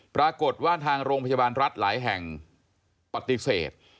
ปรากฏว่าทางโรงพยาบาลรัฐหลายแห่งปฏิเสธ